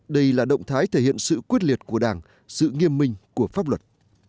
đây là động thái thể hiện sự quyết liệt của đảng sự nghiêm minh của pháp luật